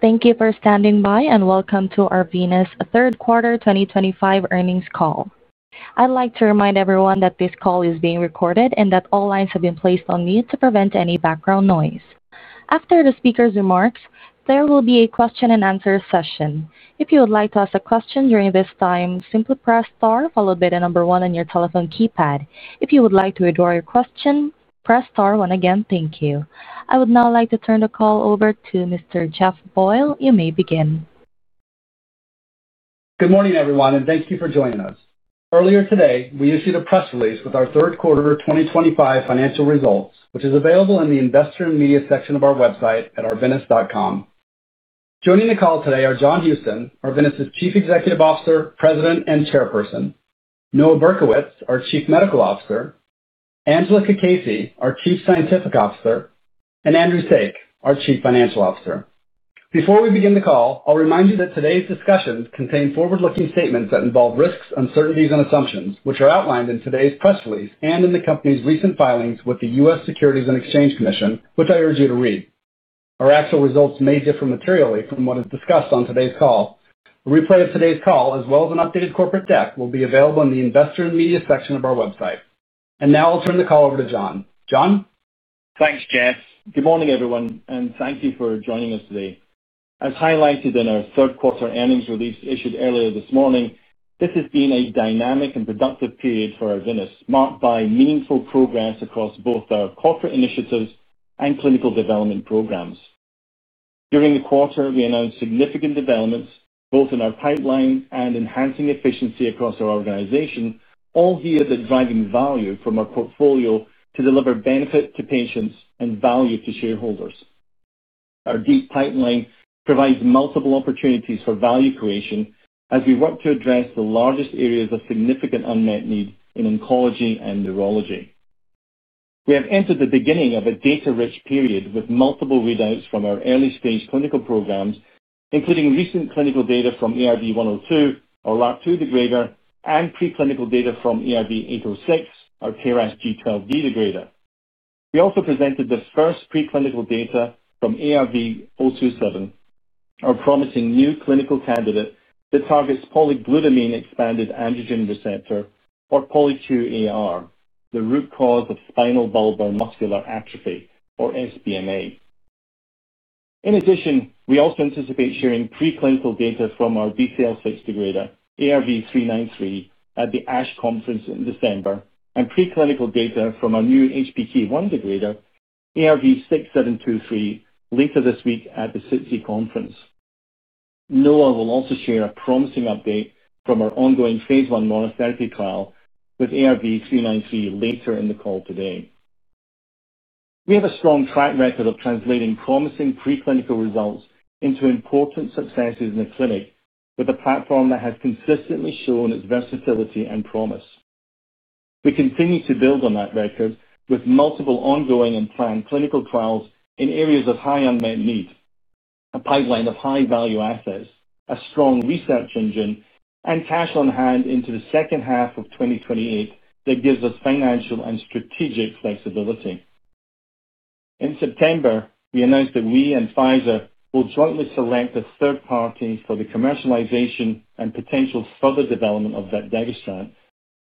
Thank you for standing by and welcome to our Arvinas third quarter 2025 earnings call. I'd like to remind everyone that this call is being recorded and that all lines have been placed on mute to prevent any background noise. After the speaker's remarks, there will be a question-and-answer session. If you would like to ask a question during this time, simply press star followed by the number one on your telephone keypad. If you would like to withdraw your question, press star one again. Thank you. I would now like to turn the call over to Mr. Jeff Boyle. You may begin. Good morning everyone and thank you for joining us. Earlier today we issued a press release. With our third quarter 2025 financial results. Which is available in the Investor and Media section of our website at arvinas.com. Joining the call today are John Houston, Arvinas Chief Executive Officer, President and Chairperson, Noah Berkowitz, our Chief Medical Officer, Angela Cacace, our Chief Scientific Officer, and Andrew Saik, our Chief Financial Officer. Before we begin the call, I'll remind you that today's discussions contain forward-looking statements that involve risks, uncertainties, and assumptions. Which are outlined in today's press release and in the company's recent filings with the U.S. Securities and Exchange Commission, which. I urge you to read. Our actual results may differ materially. What is discussed on today's call. A replay of today's call as well as an updated corporate deck will be. Available in the Investor and Media section of our website. I'll turn the call over. To John. John. Thanks Jeff. Good morning everyone and thank you for joining us today. As highlighted in our third quarter earnings release issued earlier this morning, this has been a dynamic and productive period for Arvinas marked by meaningful progress across both our corporate initiatives and clinical development programs. During the quarter we announced significant developments both in our pipeline and enhancing efficiency across our organization. All here that driving value from our portfolio to deliver benefit to patients and value to shareholders. Our deep pipeline provides multiple opportunities for value creation as we work to address the largest areas of significant unmet need in oncology and neurology. We have entered the beginning of a data rich period with multiple readouts from our early stage clinical programs including recent clinical data from ARV-102, our LRRK2 degrader, and preclinical data from ARV-806, our KRAS G12D degrader. We also presented the first preclinical data from ARV-027, our promising new clinical candidate that targets polyglutamine-expanded androgen receptor, or poly, the root cause of spinal bulbar muscular atrophy, or SBMA. In addition, we also anticipate sharing preclinical data from our BCL6 degraders, ARV-393, at the ASH conference in December and preclinical data from our new HPK1 degrader, ARV-6723, later this week at the CITC conference. Noah will also share a promising update from our ongoing phase I monotherapy trial with ARV-393 later in the call. Today we have a strong track record of translating promising preclinical results into important successes in the clinic with a platform that has consistently shown its versatility and promise. We continue to build on that record with multiple ongoing and planned clinical trials in areas of high unmet need, a pipeline of high value assets, a strong research engine and cash on hand into the second half of 2028 that gives us financial and strategic flexibility. In September, we announced that we and Pfizer will jointly select a third party for the commercialization and potential further development of vepdegestrant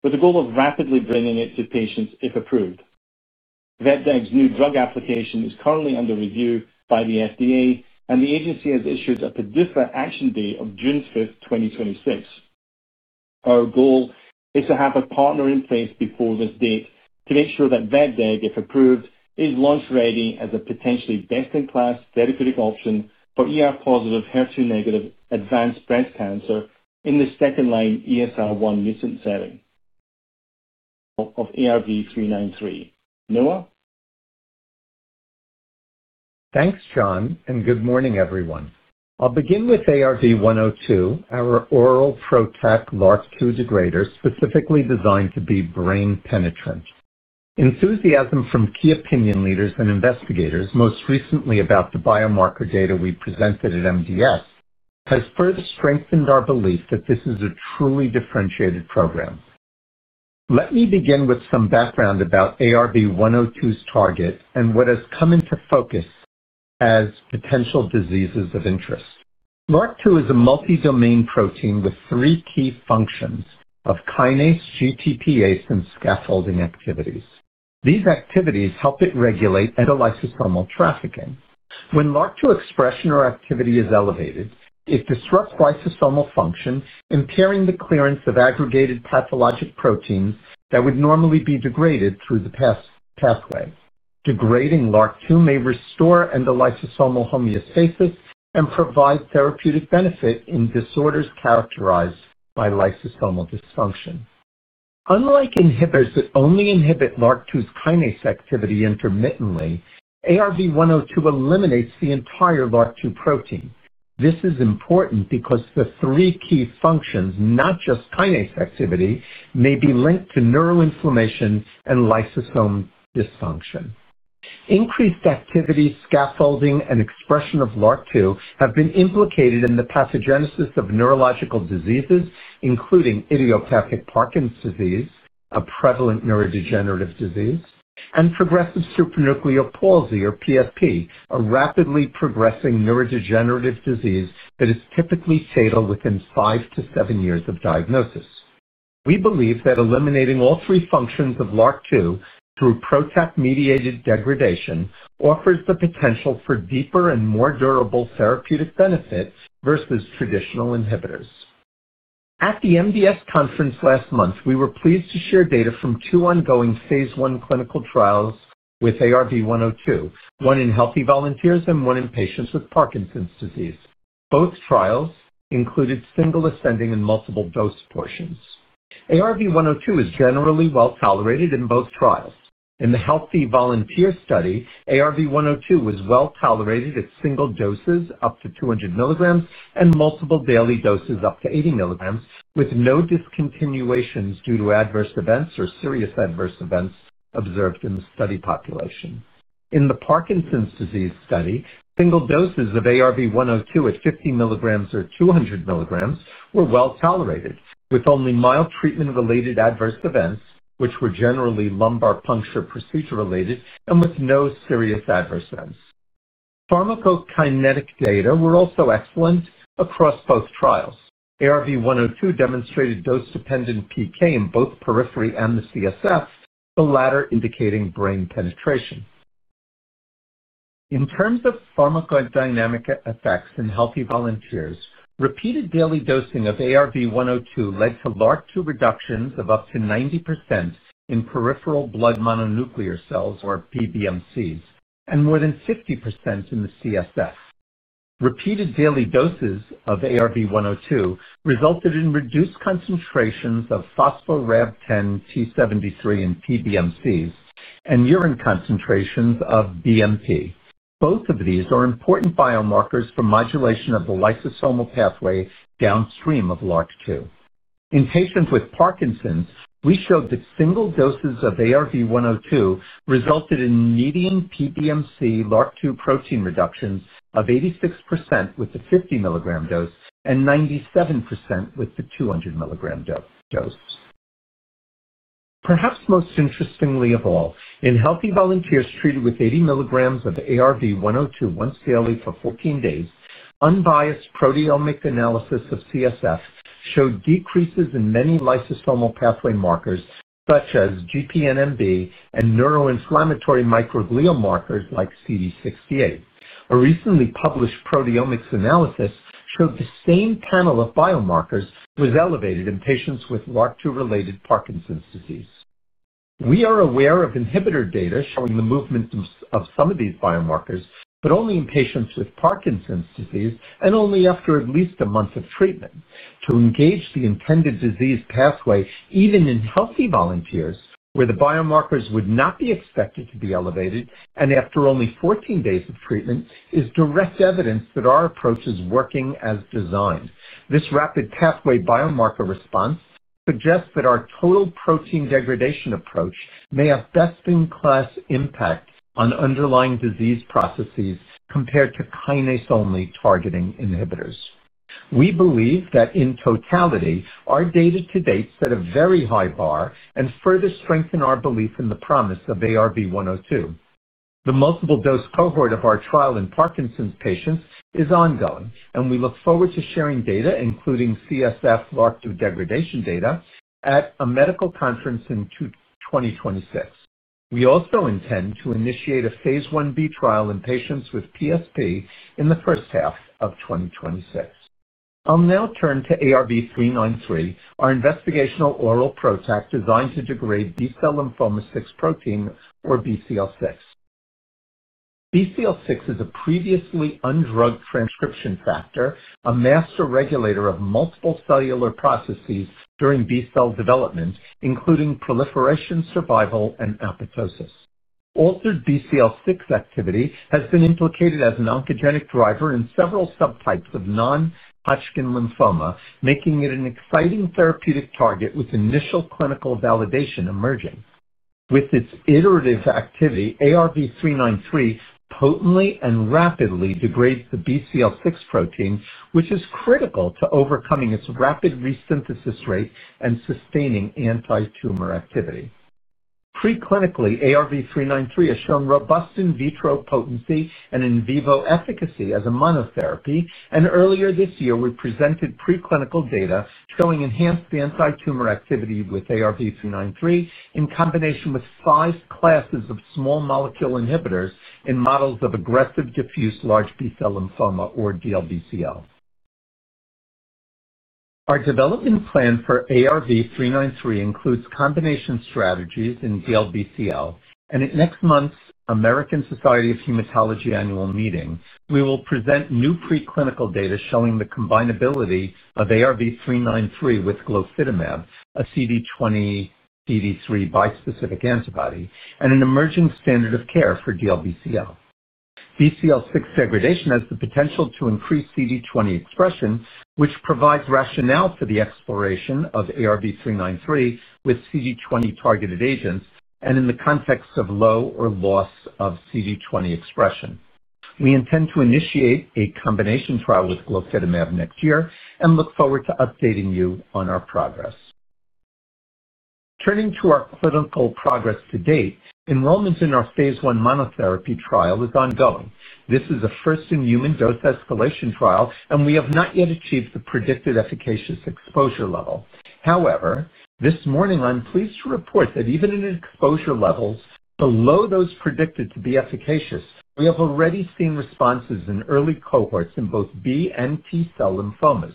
with the goal of rapidly bringing it to patients if approved. Vepdegestrant's new drug application is currently under review by the FDA and the Agency has issued a PDUFA action date of June 5, 2026. Our goal is to have a partner in place before this date to make sure that vepdegestrant, if approved, is launch ready as a pot. Best in class therapeutic option for ER positive HER2 negative advanced breast cancer in the second line ESR1 mutant setting of ARV-393 Noah. Thanks John and good morning everyone. I'll begin with ARV102, our oral PROTAC LRRK2 degrader specifically designed to be brain penetrant. Enthusiasm from key opinion leaders and investigators, most recently about the biomarker data we presented at MDS, has further strengthened our belief that this is a truly differentiated program. Let me begin with some background about ARV-102's target and what has come into focus as potential diseases of interest. LRRK2 is a multi-domain protein with three key functions of kinase, GTPase, and scaffolding activities. These activities help it regulate endolysosomal trafficking. When LRRK2 expression or activity is elevated, it disrupts lysosomal function, impairing the clearance of aggregated pathologic proteins that would normally be degraded through the pathway. Degrading LRRK2 may restore endolysosomal homeostasis and provide therapeutic benefit in disorders characterized by lysosomal dysfunction. Unlike inhibitors that only inhibit LRRK2's kinase activity intermittently, ARV-102 eliminates the entire LRRK2 protein. This is important because the three key functions, not just kinase activity, may be linked to neuroinflammation and lysosome dysfunction. Increased activity, scaffolding, and expression of LRRK2 have been implicated in the pathogenesis of neurological diseases including idiopathic Parkinson's disease, a prevalent neurodegenerative disease, and progressive supranuclear palsy or PSP, a rapidly progressing neurodegenerative disease that is typically fatal within five to seven years of diagnosis. We believe that eliminating all three functions of LRRK2 through PROTAC mediated degradation offers the potential for deeper and more durable therapeutic benefit versus traditional inhibitors. At the MDS conference last month, we were pleased to share data from two ongoing phase I clinical trials with ARV-102, one in healthy volunteers and one in patients with Parkinson's disease. Both trials included single, ascending and multiple dose portions. ARV-102 is generally well tolerated in both trials. In the healthy volunteer study, ARV-102 was well tolerated at single doses up to 200 mg and multiple daily doses up to 80 mg with no discontinuation due to adverse events or serious adverse events observed in the study population. In the Parkinson's disease study, single doses of ARV-102 at 50 mg or 200 mg were well tolerated with only mild treatment related adverse events which were generally lumbar puncture procedure related and with no serious adverse events. Pharmacokinetic data were also excellent across both trials. ARV-102 demonstrated dose-dependent PK in both periphery and the CSF, the latter indicating brain penetration in terms of pharmacodynamic effects. In healthy volunteers, repeated daily dosing of ARV-102 led to LRRK2 reductions of up to 90% in peripheral blood mononuclear cells or PBMCs and more than 50% in the CSF. Repeated daily doses of ARV-102 resulted in reduced concentrations of phospho-Rab10 Thr73 in PBMCs and urine concentrations of pRab. Both of these are important biomarkers for modulation of the lysosomal pathway downstream of LRRK2 in patients with Parkinson's. We showed that single doses of ARV102 resulted in median PBMC LRRK2 protein reductions of 86% with the 50 mg dose and 97% with the 200 mg dose. Perhaps most interestingly of all, in healthy volunteers treated with 80 mg of ARV102 once daily for 14 days, unbiased proteomic analysis of CSF showed decreases in many lysosomal pathway markers such as GPNMB and neuroinflammatory microglial markers like CD68. A recently published proteomics analysis showed the same panel of biomarkers was elevated in patients with LRRK2 related Parkinson's disease. We are aware of inhibitor data showing the movement of some of these biomarkers, but only in patients with Parkinson's disease and only after at least a month of treatment to engage the intended disease pathway. Even in healthy volunteers where the biomarkers would not be expected to be elevated and after only 14 days of treatment is direct evidence that approach is working as designed. This rapid pathway biomarker response suggests that our total protein degradation approach may have best in class impact on underlying disease processes compared to kinase only targeting inhibitors. We believe that in totality our data to date set a very high bar and further strengthen our belief in the promise of ARV-102. The multiple dose cohort of our trial in Parkinson's patients is ongoing and we look forward to sharing data including CSF LRRK2 degradation data at a medical conference in 2026. We also intend to initiate a phase I-B trial in patients with PSP in the first half of 2026. I'll now turn to ARV-393, our investigational oral PROTAC designed to degrade B cell lymphoma 6 protein or BCL6. BCL6 is a previously undrugged transcription factor, a master regulator of multiple cellular processes during B cell development, including proliferation, survival and apoptosis. Altered BCL6 activity has been implicated as an oncogenic driver in several subtypes of non-Hodgkin lymphoma, making it an exciting therapeutic target with initial clinical validation emerging. With its iterative activity, ARV-393 potently and rapidly degrades the BCL6 protein, which is critical to overcoming its rapid resynthesis rate and sustaining antitumor activity. Preclinically, ARV-393 has shown robust in vitro potency and in vivo efficacy as a monotherapy, and earlier this year we presented preclinical data showing enhanced antitumor activity with ARV-393 in combination with five classes of small molecule inhibitors in models of aggressive diffuse large B-cell lymphoma or DLBCL. Our development plan for ARV-393 includes combination strategies in DLBCL and at next month's American Society of Hematology annual meeting we will present new preclinical data showing the combinability of ARV-393 with glofitimab CD20 CD3 bispecific antibody and an emerging standard of care for DLBCL. BCL6 degradation has the potential to increase CD20 expression, which provides rationale for the exploration of ARV-393 with CD20 targeted agents and in the context of low or loss of CD20 expression. We intend to initiate a combination trial with glofitamab next year and look forward to updating you on our progress. Turning to our clinical progress to date, enrollment in our phase I monotherapy trial is ongoing. This is a first-in-human dose escalation trial and we have not yet achieved the predicted efficacious exposure level. However, this morning I'm pleased to report that even in exposure levels below those predicted to be efficacious, we have already seen responses in early cohorts in both B and T cell lymphomas.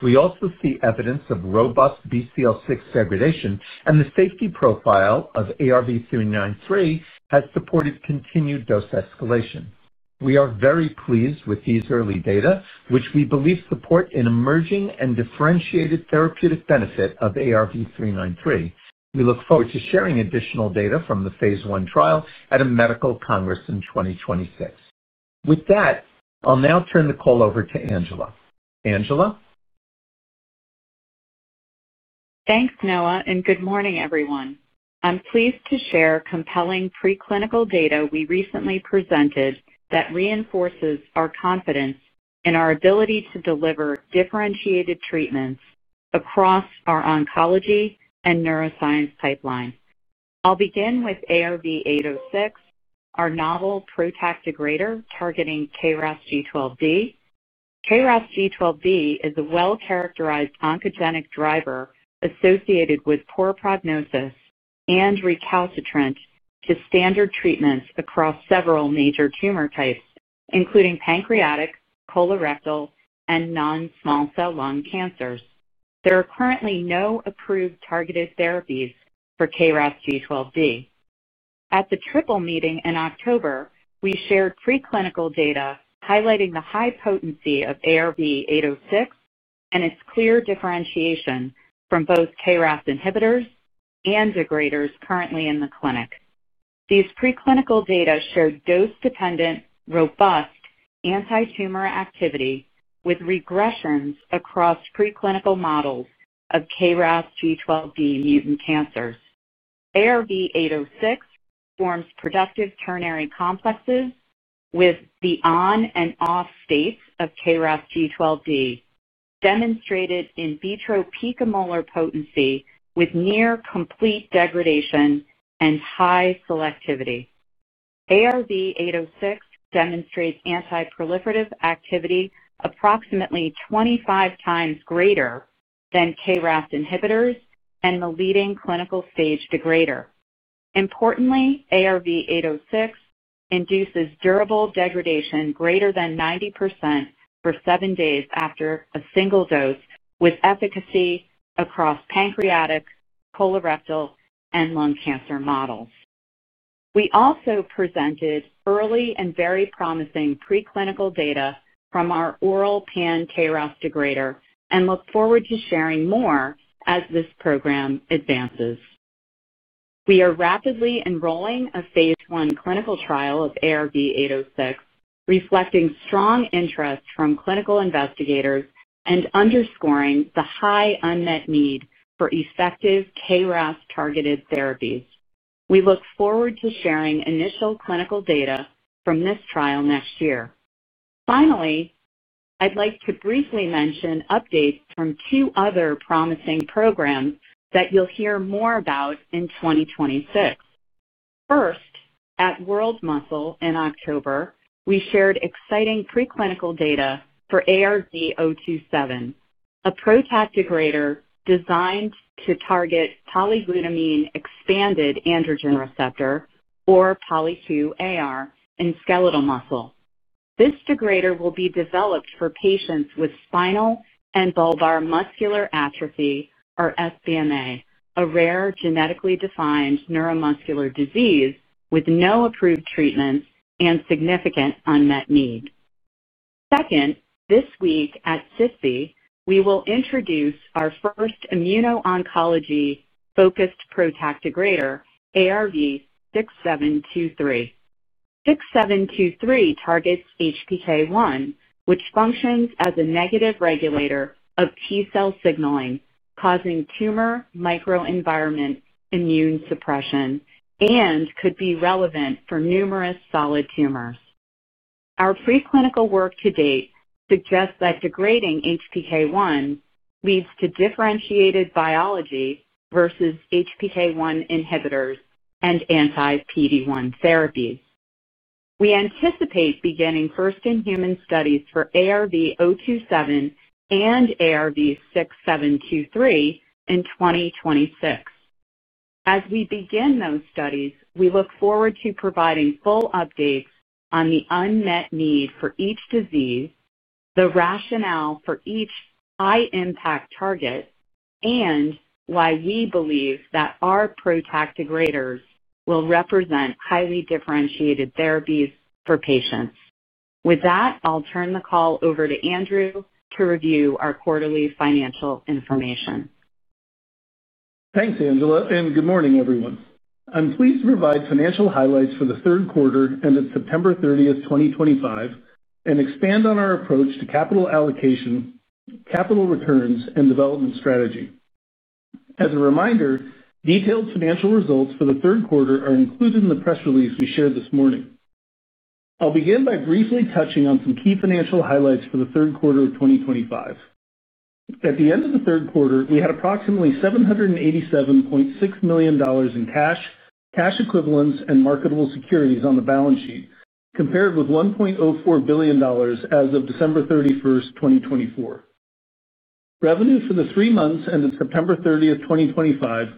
We also see evidence of robust BCL6 degradation and the safety profile of ARV-393 has supported continued dose escalation. We are very pleased with these early data which we believe support an emerging and differentiated therapeutic benefit of ARV-393. We look forward to sharing additional data from the phase I trial at a medical congress in 2026. With that, I'll now turn the call over to Angela. Angela. Thanks Noah and good morning everyone. I'm pleased to share compelling preclinical data we recently presented that reinforces our confidence in our ability to deliver differentiated treatments across our oncology and neuroscience pipeline. I'll begin with ARV-806, our novel PROTAC degrader targeting KRAS G12D. KRAS G12D is a well characterized oncogenic driver associated with poor prognosis and recalcitrant to standard treatments across several major tumor types including pancreatic, colorectal and non-small cell lung cancers. There are currently no approved targeted therapies for KRAS G12D. At the triple meeting in October, we shared preclinical data highlighting the high potency of ARV-806 and its clear differentiation from both KRAS inhibitors and degraders currently in the clinic. These preclinical data show dose-dependent robust anti-tumor activity with regressions across preclinical models of KRAS G12D mutant cancers. ARV-806 forms productive ternary complexes with the on and off states of KRAS G12D demonstrated in vitro picomolar potency with near complete degradation and high selectivity. ARV-806 demonstrates antiproliferative activity approximately 25x greater then KRAS inhibitors and the leading clinical stage degrader. Importantly, ARV-806 induces durable degradation greater than 90% for seven days after a single dose with efficacy across pancreatic, colorectal and lung cancer models. We also presented early and very promising preclinical data from our oral Pan KRAS degrader and look forward to sharing more. As this program advances, we are rapidly enrolling a phase I clinical trial of ARV-806, reflecting strong interest from clinical investigators and underscoring the high unmet need for effective KRAS targeted therapies. We look forward to sharing initial clinical data from this trial next year. Finally, I'd like to briefly mention updates from two other promising programs that you'll hear more about in 2026. First, at World Muscle in October, we shared exciting preclinical data for ARV-027, a PROTAC degrader designed to target polyglutamine expanded androgen receptor or Poly2AR in skeletal muscle. This degrader will be developed for patients with spinal and bulbar muscular atrophy or sbma, a rare genetically defined neuromuscular disease with no approved treatments and significant unmet need. Second, this week at CISPE we will introduce our first immuno-oncology focused PROTAC degrader, ARV-6723. 6723 targets HPK1, which functions as a negative regulator of T cell signaling causing tumor microenvironment, immune suppression and could be relevant for numerous solid tumors. Our preclinical work to date suggests that degrading HPK1 leads to differentiated biology versus HPK1 inhibitors and anti PD1 therapies. We anticipate beginning first in human studies for ARV-027 and ARV-6723 in 2026. As we begin those studies, we look forward to providing full updates on the unmet need for each disease, the rationale for each high impact target, and why we believe that our protactigraders will represent highly differentiated therapies for patients. With that, I'll turn the call over to Andrew to review our quarterly financial information. Thanks Angela and good morning everyone. I'm pleased to provide financial highlights for the third quarter ended September 30, 2025 and expand on our approach to capital allocation, capital returns and development strategy. As a reminder, detailed financial results for the third quarter are included in the press release we shared this morning. I'll begin by briefly touching on some key financial highlights for the third quarter of 2025. At the end of the third quarter, we had approximately $787.6 million in cash, cash equivalents and marketable securities on the balance sheet, compared with $1.04 billion as of December 31, 2024. Revenue for the three months ended September 30, 2025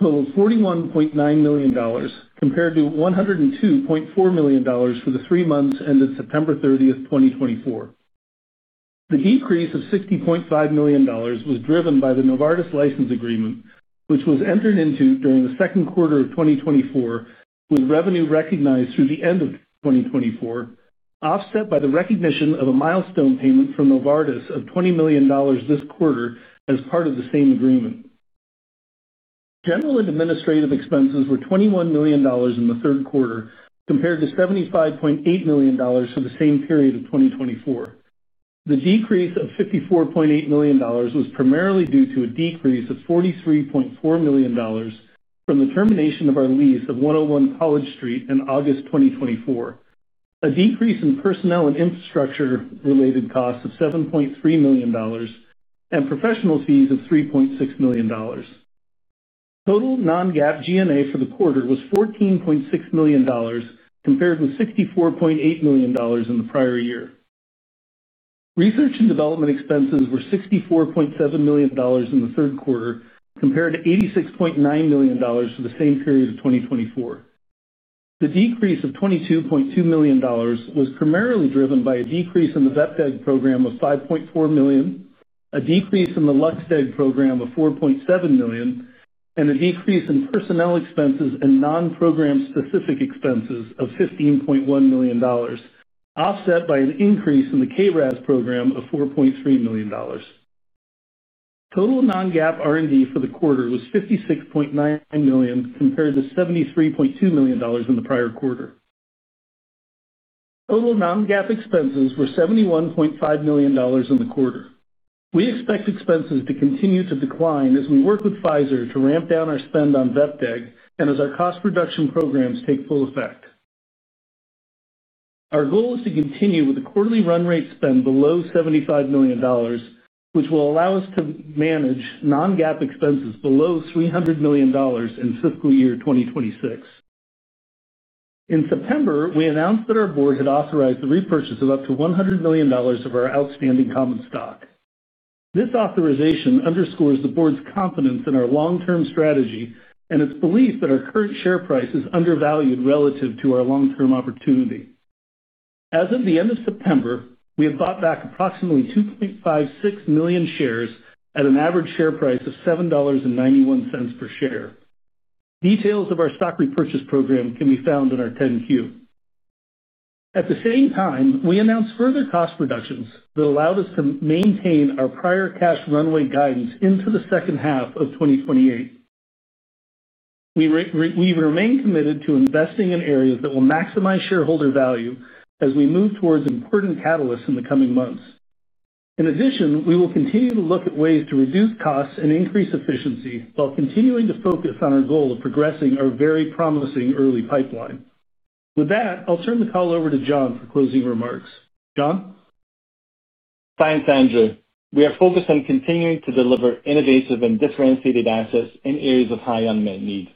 totaled $41.9 million compared to $102.4 million for the three months ended September 30th, 2024. The decrease of $60.5 million was driven by the Novartis License agreement, which was entered into during the second quarter of 2024, with revenue recognized through the end of 2024 offset by the recognition of a milestone payment from Novartis of $20 million this quarter as part of the same agreement. General and Administrative expenses were $21 million in the third quarter, compared to $75.8 million for the same period of 2024. The decrease of $54.8 million was primarily due to a decrease of $43.4 million from the termination of our lease of 101 College street in August 2024, a decrease in personnel and infrastructure related costs of $7.3 million, and professional fees of $3.6 million. Total Non GAAP G&A for the quarter was $14.6 million, compared with $64.8 million in the prior year. Research and development expenses were $64.7 million in the third quarter, compared to $86.9 million for the same period of 2024. The decrease of $22.2 million was primarily driven by a decrease in the VET EG program of $5.4 million, a decrease in the LuxDEG program of $4.7 million, and a decrease in personnel expenses and non program specific expenses of $15.1 million, offset by an increase in the KRAS program of $4.3 million. Total non GAAP R and D for the quarter was $56.9 million compared to $73.2 million in the prior quarter. Total non GAAP expenses were $71.5 million in the quarter. We expect expenses to continue to decline as we work with Pfizer to ramp down our spend on VERITAC and as our cost reduction programs take full effect, our goal is to continue with a quarterly run rate spend below $75 million, which will allow us to manage non GAAP expenses below $300 million in fiscal year 2026. In September, we announced that our Board had authorized the repurchase of up to $100 million of our outstanding common stock. This authorization underscores the Board's confidence in our long term strategy and its belief that our current share price is undervalued relative to our long term opportunity. As of the end of September, we have bought back approximately 2.56 million shares at an average share price of $7.91 per share. Details of our stock repurchase program can be found in our 10-Q. At the same time, we announced further cost reductions that allowed us to maintain our prior cash Runway guidance into the second half of 2028. We remain committed to investing in areas that will maximize shareholder value as we move towards important catalys in the coming months. In addition, we will continue to look at ways to reduce costs and increase efficiency while continuing to focus on our goal of progressing our very promising early pipeline. With that, I'll turn the call over to John for closing remarks. John. Thanks Andrew. We are focused on continuing to deliver innovative and differentiated assets in areas of high unmet need.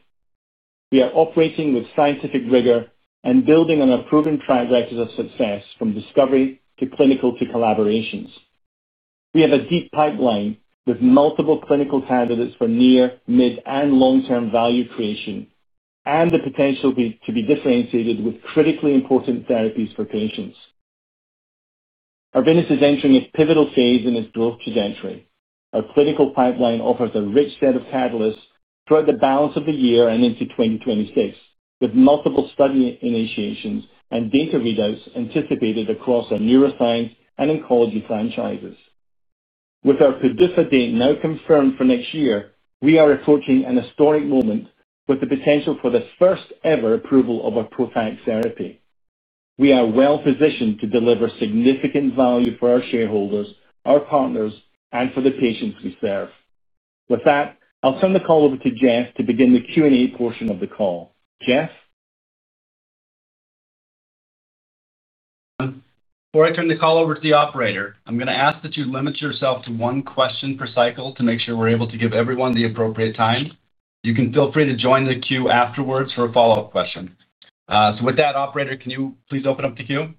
We are operating with scientific rigorous and building on our proven trajectory of success. From discovery to clinical to collaborations. We have a deep pipeline with multiple clinical candidates for near mid and long term value creation and the potential to be differentiated with critically important therapies for patients. Arvinis is entering a pivotal phase in its growth to gentry. Our clinical pipeline offers a rich set of catalysts throughout the balance of the year and into 2026, with multiple study initiations and data readouts anticipated across our neuroscience and oncology franchises. With our PDUFA date now confirmed for next year, we are approaching an historic moment. With the potential for the first ever approval of a protax therapy. We are well positioned to deliver significant value for our shareholders, our partners, and for the patients we serve. With that, I'll turn the call over to Jeff to begin the Q&A portion of the call. Jeff. Before I turn the call over. To the operator, I'm going to ask that you limit yourself to one question per cycle to make sure we're able to give everyone the appropriate time. You can feel free to join the queue afterwards for a follow up question. So with that operator can you please. Open up the queue?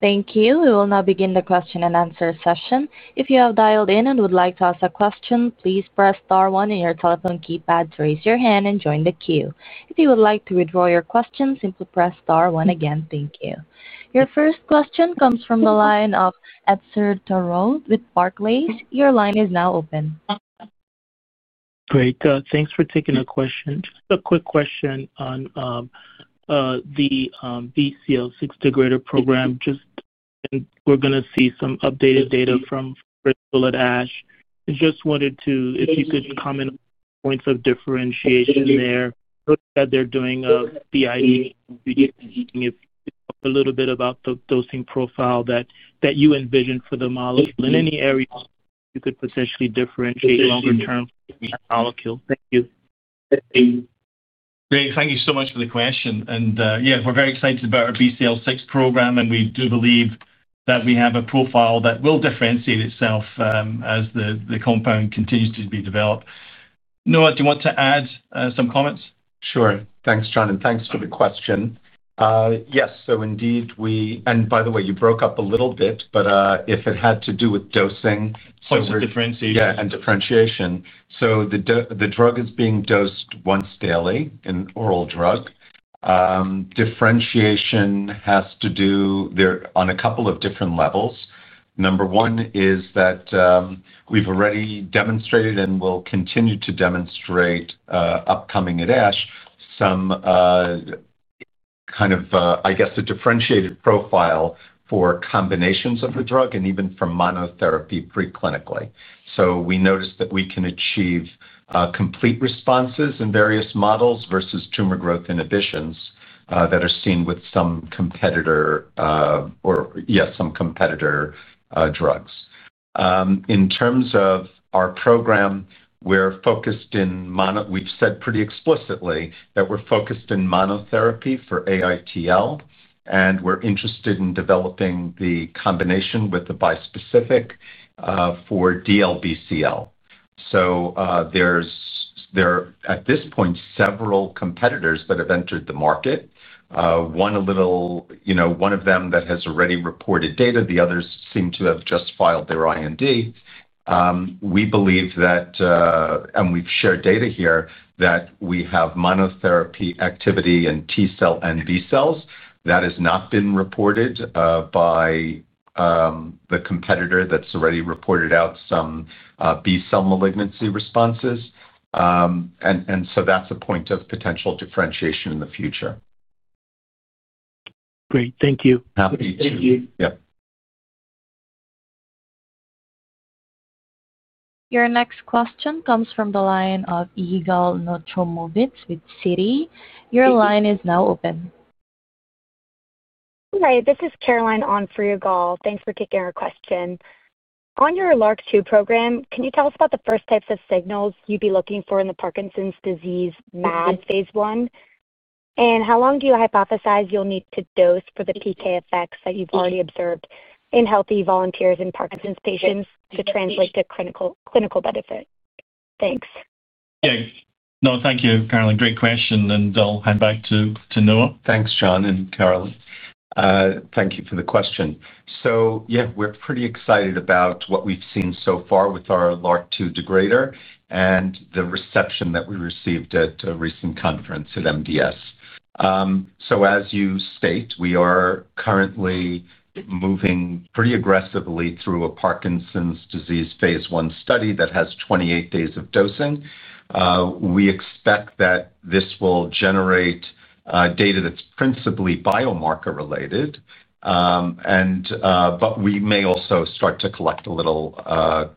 Thank you. We will now begin the question-and-answer Session. If you have dialed in and would like to ask a question, please press star one in your telephone keypad to raise your hand and join the queue. If you would like to withdraw your question, simply press star one again. Thank you. Your first question comes from the line of Edcerta Road with Barclays. Your line is now open. Great. Thanks for taking a question. Just a quick question on the BCL6 degrader program. Just we're going to see some updated data from Crystal at ash. I just wanted to, if you could comment on points of differentiation there that they're doing. Bid a little bit about the dosing profile that you envision for the molecule in any area you could potentially differentiate longer term molecules. Thank you. Great. Thank you so much for the question. And yeah, we're very excited about our BCL6 program and we do believe that we have a profile that will differentiate itself as the compound continues to be developed. Noah, do you want to add some comments? Sure. Thanks, John, and thanks for the question. Yes, so indeed we. And by the way, you broke up a little bit. But if it had to do with dosing. Points of differentiation. Yeah, and differentiation. So the drug is being dosed once daily in oral. Drug differentiation has to do on a couple of different levels. Number one is that we've already demonstrated and will continue to demonstrate upcoming @ash, some kind of, I guess a differentiated profile for combinations of the drug and even for monotherapy preclinically. So we noticed that we can achieve complete responses in various models versus tumor growth inhibitions that are seen with some competitor or. Yes, some competitor drugs. In terms of our program, we're focused in mono. We've said pretty explicitly that we're focused in monotherapy for aitl and we're interested in developing the combination with the bispecific for dlbcl. So there's. There are at this point several competitors that have entered the market. One a little, you know, one of them that has already reported data. The others seem to have just filed their ind. We believe that, and we've shared data here that we have monotherapy activity and T cell and B cells that has not been reported by the competitor that's already reported out some B cell malignancy responses. That's a point of potential differentiation in the future. Great, thank you. Your next question comes from the line of Eagle Nutramovitz with Citi. Your line is now open. All right. This is Caroline on Freeugal. Thanks for kicking our question on your LRRK2 program. Can you tell us about the first types of signals you'd be looking for in the Parkinson's disease MAD phase I. And how long do you hypothesize you'll need to dose for the PK effects that you've already observed in healthy volunteers and Parkinson's patients to translate to clinical benefit. Thanks. No, thank you, Carolyn. Great question and I'll hand back to Noah. Thanks, John and Carolyn, thank you for the question. So, yeah, we're pretty excited about what we've seen so far with our LRRK2 degrader and the reception that we received at a recent conference at mds. So, as you state, we are currently moving pretty aggressively through a Parkinson's disease phase I study that has 28 days of dosing. We expect that this will generate data that's principally biomarker related, but we may also start to collect a little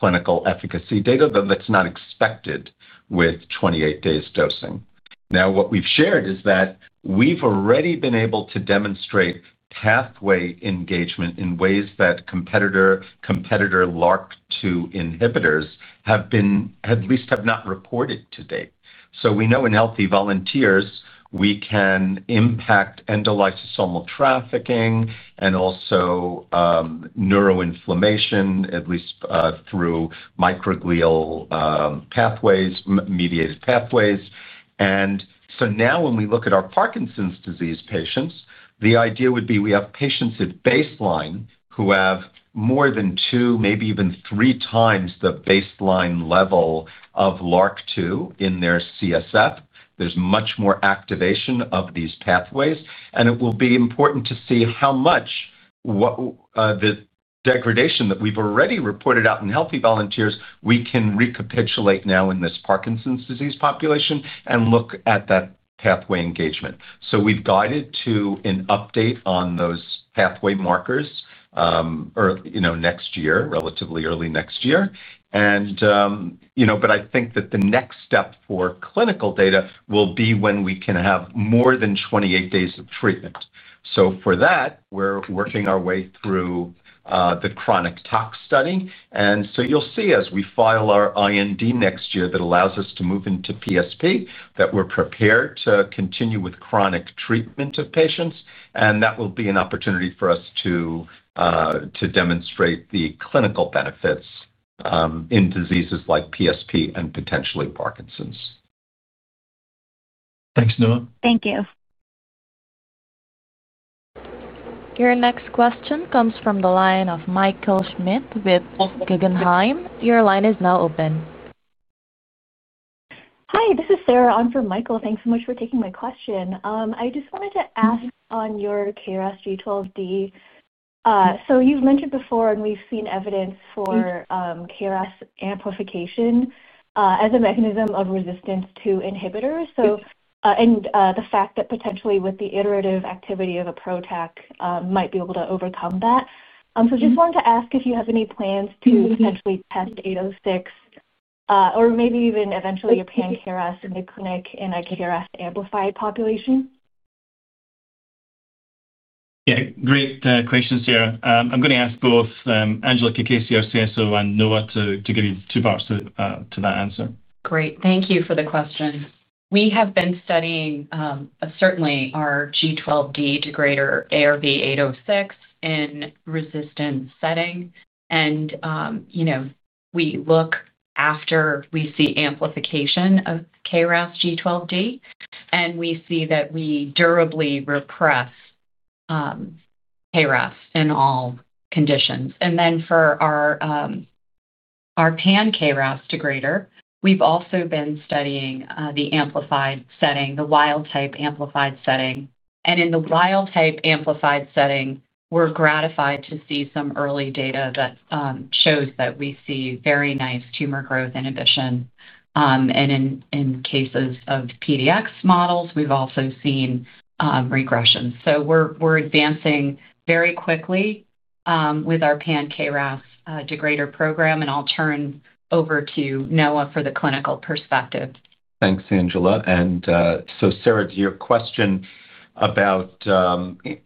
clinical efficacy data that's not expected with 28 days dosing. Now, what we've shared is that we've already been able to demonstrate pathway engagement in ways that competitor LRRK2 inhibitors have been at least have not reported to date. So we know in healthy volunteers we can impact endolysosomal trafficking and also neuroinflammation, at least through microglial pathways mediated pathways. And so now when we look at our Parkinson's disease patients, the idea would be we have patients at baseline who have more than two, maybe even three times the baseline level of LRRK2 in their CSF. There's much more activation of these pathways and it will be important to see how much the degradation that we've already reported out in healthy volunteers, we can recapitulate now in this Parkinson's disease population and look at that pathway engagement. So we've guided to an update on those pathway markers next year, relatively early next year. And you know, but I think that the next step for clinical data will be when we can have more than 28 days of treatment. So for that we're working our way through the chronic tox study. And so you'll see as we file our IND next year that allows us to move into psp, that we're prepared to continue with chronic treatment of patients. And that will be an opportunity for us to demonstrate the clinical benefits in diseases like PSP and potentially Parkinson's. Thanks, Noah. Thank you. Your next question comes from the line of Michael Schmidt with Guggenheim. Your line is now open. Hi, this is Sarah. I'm from Michael. Thanks so much for taking my question. I just wanted to ask on your KRS G12D so you've mentioned before and we've seen evidence for KRAS amplification as a mechanism of resistance to inhibitors. So and the fact that potentially with the iterative activity of a protac might be able to overcome that. So just wanted to ask if you have any plans to potentially test 806 or maybe even eventually a pan KRS in the clinic and I KDRS amplified population. Yeah, great questions here. I'm going to ask both Angela Kakesi, our CSO and Noah to give you two parts to that answer. Great, thank you for the question. We have been studying certainly our G12D degrader ARV-806 in resistance setting, and you know, we look after we see amplification of KRAS G12D and we see that we durably repress in all conditions, and then for our pan-KRAS degrader, we've also been studying the amplified setting, the wild-type amplified setting, and in the wild-type amplified setting we're gratified to see some early data that shows that we see very nice tumor growth inhibition, and in cases of PDX models we've also seen regression, so we're advancing very quickly with our pan-KRAS degrader program, and I'll turn over to Noah for the clinical perspective. Thanks, Angela. And so Sarah, to your question about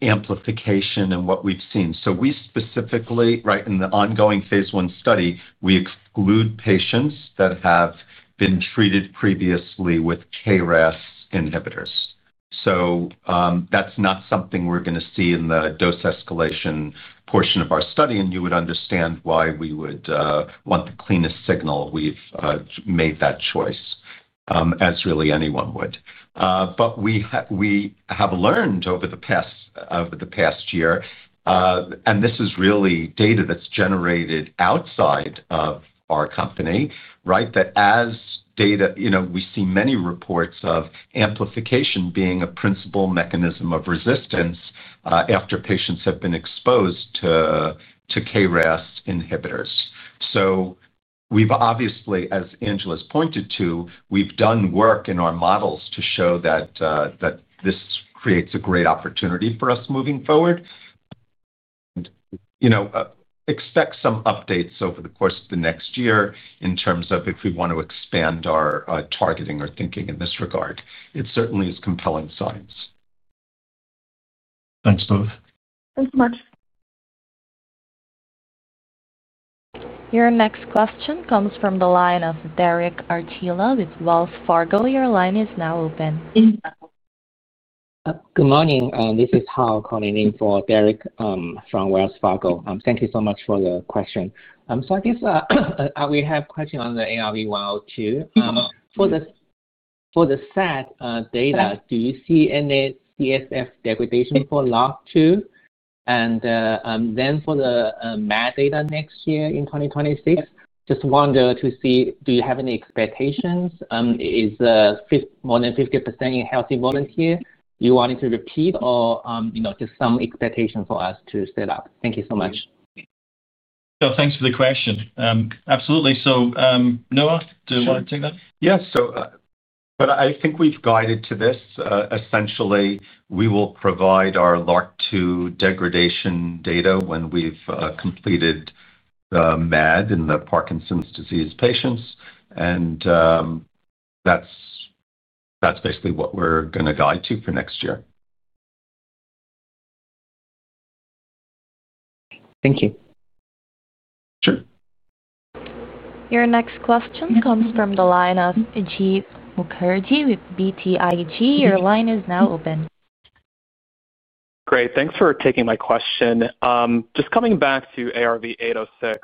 amplification and what we've seen. So we specifically. Right. In the ongoing phase I study, we exclude patients that have been treated previously with KRAS inhibitors. So that's not something we're going to see in the dose escalation portion of our study. And you would understand why we would want the cleanest signal. We've made that choice as really anyone would. But we have learned over the past year, and this is really data that's generated outside of our company. Right. That as data, you know, we see many reports of amplification being a principal mechanism of resistance after patients have been exposed to KRAS inhibitors. So we've obviously, as Angela's pointed to, we've done work in our models to show that this creates a great opportunity for us moving forward. You know, expect some updates over the course of the next year in terms of if we want to expand our targeting or thinking in this regard. It certainly is compelling science. Thanks Noah. Thanks much. Your next question comes from the line of Derek Artilla with Wells Fargo. Your line is now open. Good morning, this is Hal calling in. For Derek from Wells Fargo. Thank you so much for the question. I guess we have question on the ARV-102 for the sad data. Do you see any CSF degradation for? LRRK2 and then for the mad data next year in 2026? Just wonder to see do you have. Any expectations is more than 50% in. Healthy volunteer you wanted to repeat or. You know, just some expectations for us to set up. Thank you so much. Thanks for the question. Absolutely. So Noah, do you want to take that? Yes. So but I think we've guided to this essentially we will provide our LRRK2 degradation data when we've completed the MAD in the Parkinson's disease patients. And. That'S basically what we're going to guide to for next year. Thank you. Sure. Your next question comes from the line of G. Mukherjee with BTIG. Your line is now open. Great, thanks for taking my question. Just coming back to ARV-806.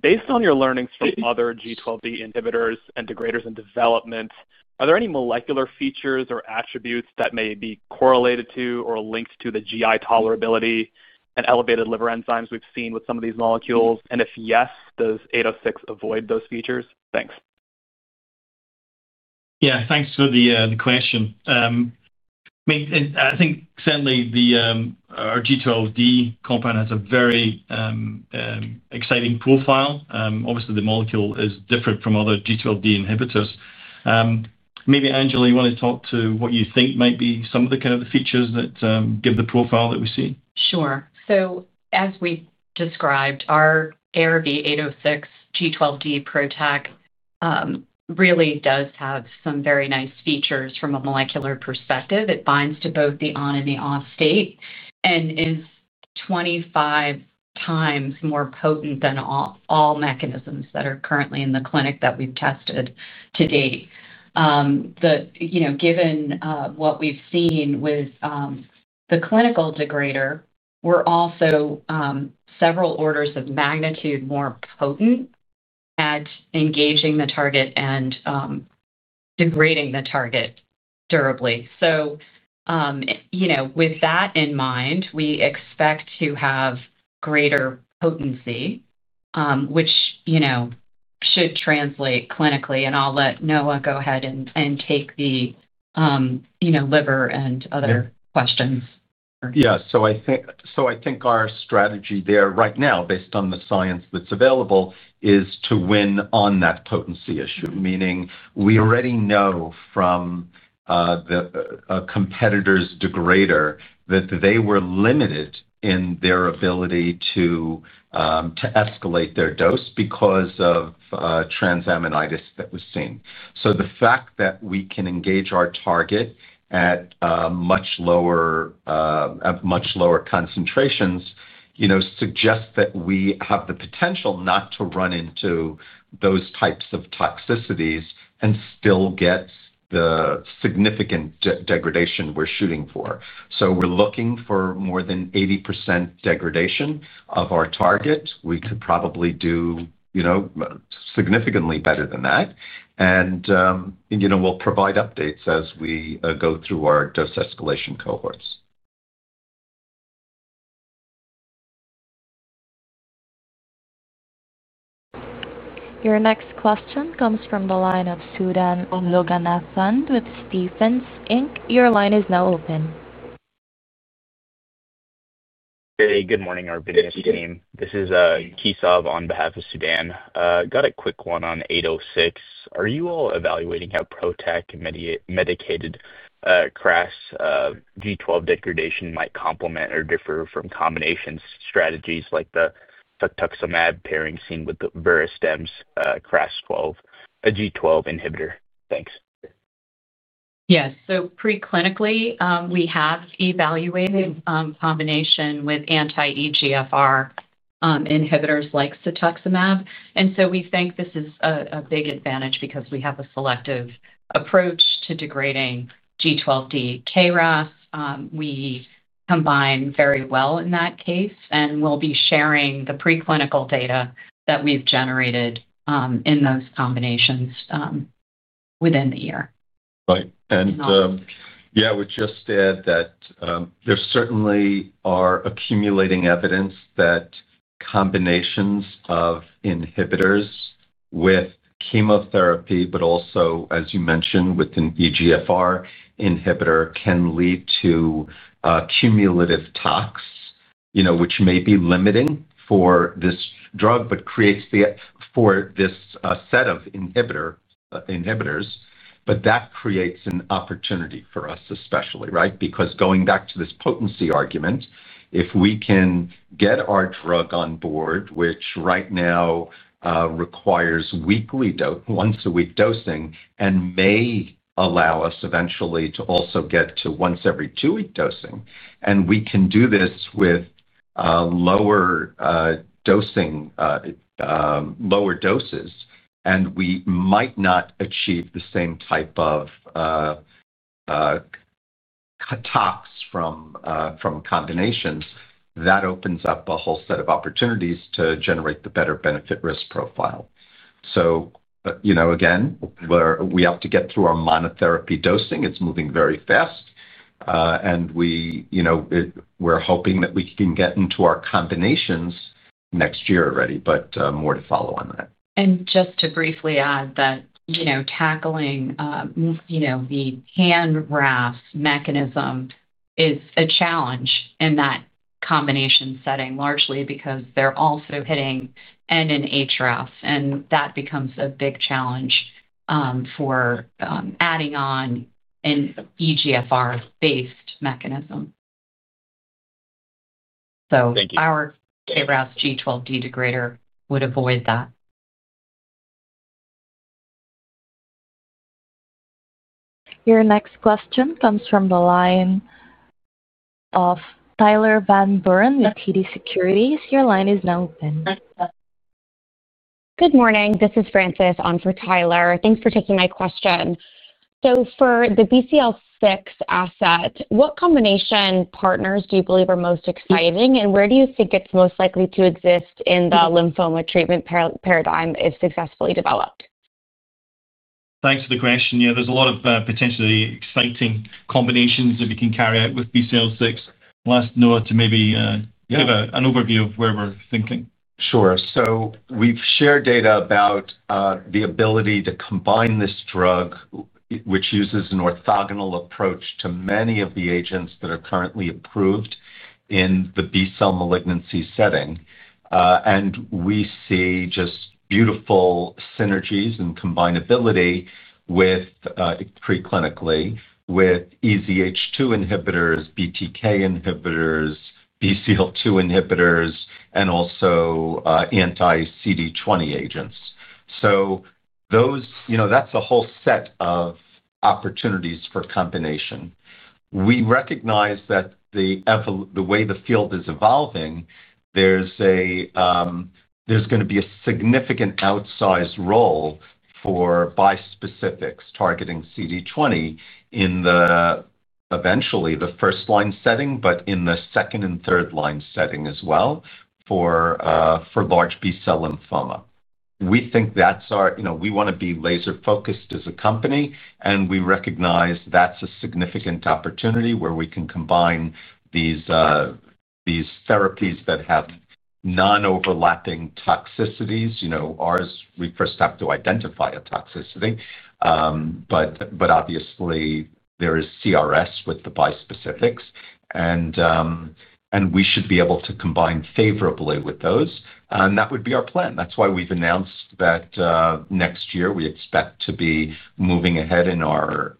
Based on your learnings from other G12D inhibitors and degraders in development, are there any molecular features or attributes that may be correlated to or linked to the GI tolerability elevated liver enzymes we've seen with some of these molecules? And if yes, does 806 avoid those features? Thanks. Yeah, thanks for the question. I think certainly the G12D compound has a very exciting profile. Obviously the molecule is different from other G12D inhibitors. Maybe Angela, you want to talk to what you think might be some of the kind of the features that give the profile that we see? Sure. So as we described, our ARV-806 G12D PROTAC really does have some very nice features from a molecular perspective. It binds to both the on and the off state and is 25x more potent than all mechanisms that are currently in the clinic that we've tested to date. Given what we've seen with the clinical degrader, were also several orders of magnitude more potent at engaging the target and degrading the target durably. So, you know, with that in mind, we expect to have greater potency, which should translate clinically. And I'll let Noah go ahead and take the liver and other questions. Yeah, So I think our strategy there right now, based on the science that's available, is to win on that potency issue. Meaning we already know from the competitors degrader that they were limited in their ability to escalate their dose because of transaminitis that was seen. So the fact that we can engage our target at much lower concentrations suggest that we have the potential not to run into those types of toxicities and still get the significant degradation we're shooting for. So we're looking for more than 80% degradation of our target. We could probably do significantly better than that. And you know, we'll provide updates as we go through our dose escalation cohorts. Your next question comes from the line of Sudan Omlogana Fund with Stevens Inc. Your line is now open. Hey, good morning our business team. This is Kisab on behalf of Sudan. Got a quick one on 8:06. Are you all evaluating how ProTech Medicaid crass G12 degradation might complement or differ from combination strategies like the tutuximab pairing seen with the veristems crast 12 a G12 inhibitor? Thanks. Yes. So preclinically we have evaluated combination with anti EGFR inhibitors like cetuximab. And so we think this is a big advantage because we have a selective approach to degrading G12D KRAs. We combine very well in that case and we'll be sharing the preclinical data that we've generated in those combinations within the year. Right. Yeah, I would just add that there certainly are accumulating evidence that combinations of inhibitors with chemotherapy, but also as you mentioned with an EGFR inhibitor can lead to cumulative tox, which may be limiting for this drug, but creates for this set of inhibitors. That creates an opportunity for us especially. Right, because going back to this potency argument, if we can get our drug on board, which right now requires once a week dosing and may allow us eventually to also get to once every two week dosing and we can do this with lower dosing, lower doses and we might not achieve the same type of tox from combinations that opens up a whole set of opportunities to generate the better benefit risk profile. So you know, again, where we have to get through our monotherapy dosing, it's moving very fast and we, you know, we're hoping that we can get into our combinations next year already. But more to follow on that and. Just to briefly add that, you know, tackling, you know, the hand raft mechanism is a challenge in that combination setting, largely because they're also hitting N&H ref. And that becomes a big challenge for adding on an EGFR based mechanism. So our KRAS G12D degrader would avoid that. Your next question comes from the line of Tyler Van Buren with TD Securities. Your line is now open. Good morning, this is Frances on for Tyler. Thanks for taking my question. So for the BCL6 asset, what combination partners do you believe are most exciting and where do you think it's most likely to exist in the lymphoma treatment paradigm, if successfully developed. Thanks for the question. Yeah, there's a lot of potentially exciting combinations that we can carry out with BCL6. I'll ask Noah to maybe give an overview of where we're thinking. Sure. So we've shared data about the ability to combine this drug, which uses an orthogonal approach to many of the agents that are currently approved in the B cell malignancy setting. And we see just beautiful synergies and combinability with preclinically with EZH2 inhibitors, BTK inhibitors, BCL2 inhibitors, and also anti CD20 agents. So those, you know, that's a whole set of opportunities for combination. We recognize that the way the field is evolving, there's going to be a significant outsized role for bispecifics targeting CD20 in the eventually the first line setting, but in the second and third line setting as well for large B cell lymphoma. We think that's our, you know, we want to be laser focused as a company and we recognize that's a significant opportunity where we can combine these therapies that have non overlapping toxicities, you know, ours. We first have to identify a toxicity, but obviously there is CRS with the bispecifics and we should be able to combine favorably with those. And that would be our plan. That's why we've announced that next year we expect to be moving ahead in our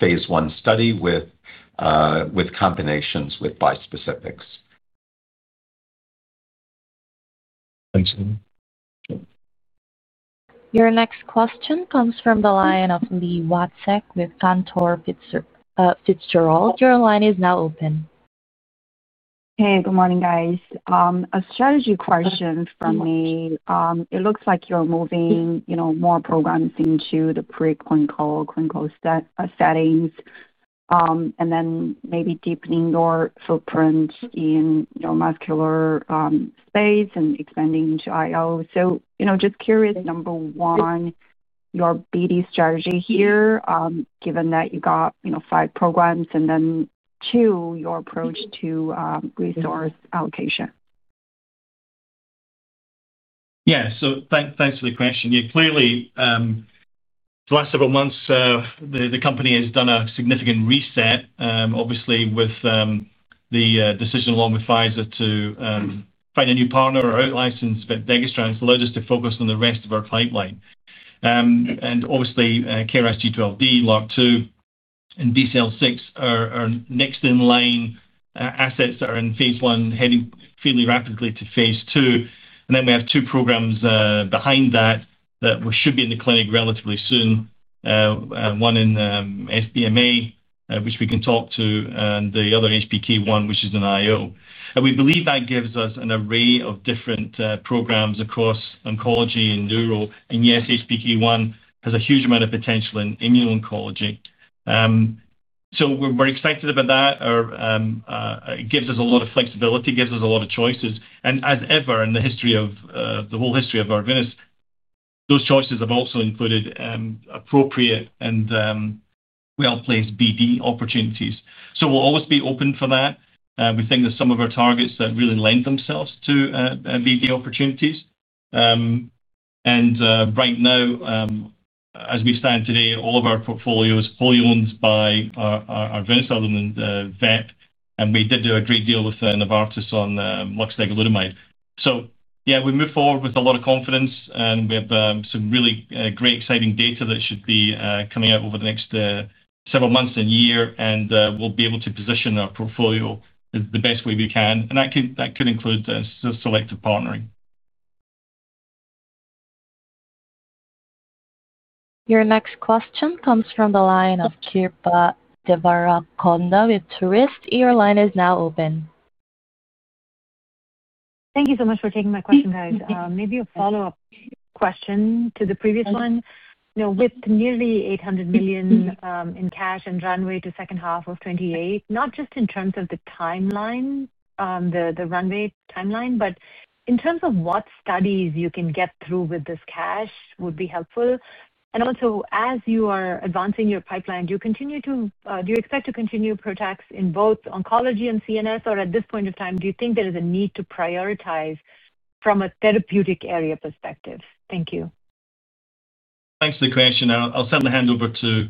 phase I study with combinations with bispecifics. Thanks. Your next question comes from the line of Li Watsek with Cantor Fitzgerald. Your line is now open. Hey, good morning guys. A strategy question from me. It looks like you're moving, you know. More programs into the pre. Settings and then maybe deepening your footprint in your. Muscular space and expanding into IO. So, you know, just curious, number one, your BD strategy here, given that you. Got, you know, five programs and then two, your approach to resource allocation. Yeah, so thanks for the question. You clearly, the last several months the company has done a significant reset, obviously with the decision along with Pfizer to find a new partner or outlicense. But DeGustra has allowed us to focus on the rest of our pipeline and obviously KRAS G12D, LRRK2 and BCL6 are next in line assets that are in phase I, heading fairly rapidly to phase II. And then we have two programs behind that that should be in the clinic relatively soon. One in FDMA which we can talk to, and the other HPK one which is an IO. And we believe that gives us an array of different programs across oncology and neuro. And yes, HPK1 has a huge amount of potential in immuno oncology. So we're excited about that. It gives us a lot of flexibility, gives us a lot of choices and as ever in the history of the whole history of Arvinis, those choices have also included appropriate and well placed BD opportunities. So we'll always be open for that. We think that some of our targets that really lend themselves to BD opportunities and right now as we stand today, all of our portfolio is fully owned by our Vernis Alderman and vep. And we did do a great deal with Novartis on loxagalutamide. So yeah, we move forward with a lot of confidence and we have some really great exciting data that should be coming out over the next several months and year and we'll be able to position our portfolio the best way we can. And that could include selective partnering. Your next question comes from the line Of Truist. Your is now open. Thank you so much for taking my question guys. Maybe a follow up question to the previous one. With nearly 800 million in cash and Runway to second half of 28, not just in terms of the timeline, the run rate timeline, but in terms of what studies you can get through with this cash would be helpful. And also as you are advancing your pipeline, do you expect to continue Protax in both oncology and cns? Or at this point of time do you think there is a need to prioritize from a therapeutic area perspective? Thank you. Thanks for the question. I'll send the hand over to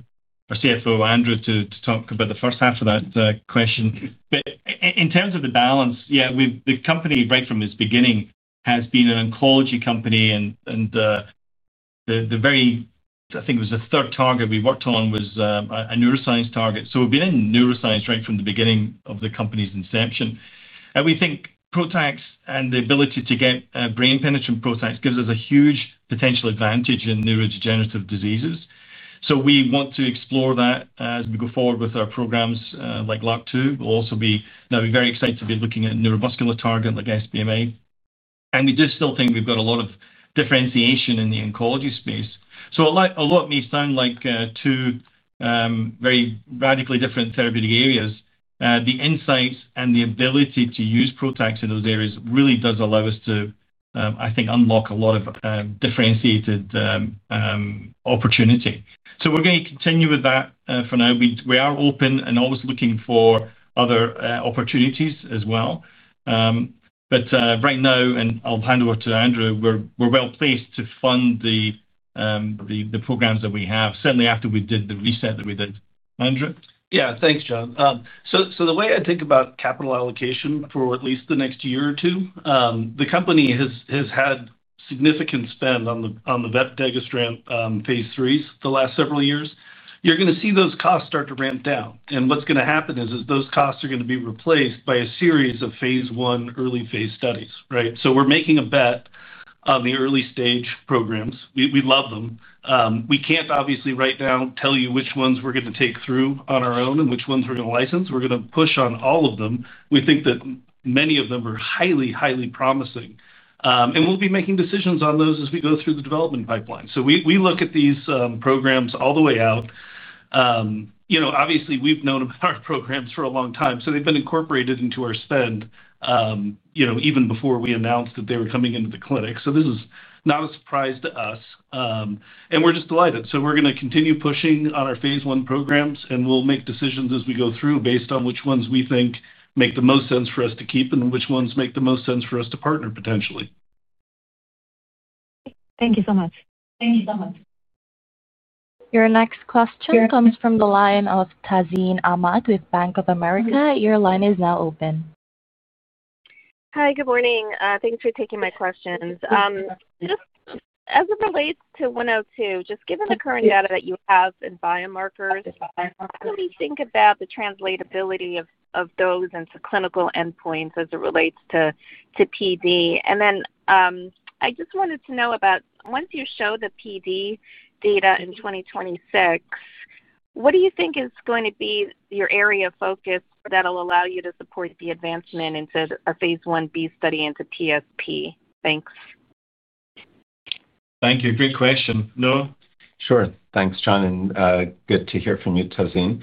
our CFO Andrew to talk about the first half of that question. But in terms of the balance, the company right from its beginning has been an oncology company and the very I think it was the third target we worked on was a neuroscience target. So we've been in neuroscience right from the beginning of the company's inception and we think Protax and the ability to get brain penetrant Protax gives us a huge potential advantage in neurodegenerative diseases. So we want to explore that as we go forward with our programs like LRRK2. We'll also be now we're very excited to be looking at neuromuscular target like sbma. And we do still think we've got a lot of differentiation in the oncology space. So a lot may sound like two very radically different therapeutic areas. The insights and the ability to use Protax in those areas really does allow us to I think unlock a lot of differentiated Opportunity. So we're going to continue with that for now. We are open and always looking for other opportunities as well. But right now, and I'll hand over to Andrew, we're well placed to fund the, the programs that we have, certainly after we did the reset that we did. Andrew? Yeah, thanks, John. So the way I think about capital allocation for at least the next year or two, the company has had significant spend on the VERITAC Strand phase IIIs the last several years. You're going to see those costs start to ramp down. And what's going to happen is those costs are going to be replaced by a series of phase I, early phase studies. Right. So we're making a bet on the early stage programs. We love them. We can't obviously right now tell you which ones we're going to take through on our own and which ones we're going to license. We're going to push on all of them. We think that many of them are highly, highly promising and we'll be making decisions on those as we go through the development pipeline. So we look at these programs all the way out. Obviously we've known about our programs for a long time, so they've been incorporated into our spend, you know, even before we announced that they were coming into the clinic. So this is not a surprise to us and we're just delighted. So we're going to continue pushing on our phase I programs and we'll make decisions as we go through based on which ones we think make the most sense for us to keep and which ones make the most sense for us to partner potentially. Thank you so much. Thank you so much. Your next question comes from the line of Tazeen Ahmad with Bank of America. Your line is now open. Hi, good morning. Thanks for taking my questions. As it relates to 102, just given the current data that you have in biomarkers, how do we think about the translatability of those into clinical endpoints as it relates to pd? And then I just wanted to know about, once you show the pd data in 2026, what do you think is going to be your area of focus. That'Ll allow you to support the advancement. Into a phase I-B study into PSP? Thanks. Thank you. Great question. No, sure. Thanks, John. And good to hear from you. Tozin.